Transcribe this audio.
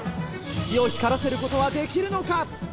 木を光らせることはできるのか？